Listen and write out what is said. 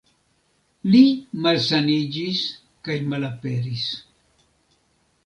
Li malsaniĝis kaj malaperis.